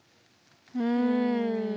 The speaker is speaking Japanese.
うん。